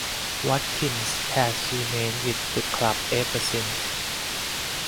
Watkins has remained with the club ever since.